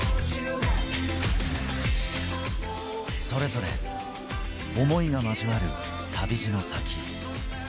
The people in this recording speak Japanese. それぞれ思いが交わる旅路の先。